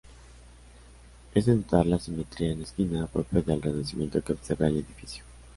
Es de notar la simetría en esquina, propia del Renacimiento, que observa el edificio.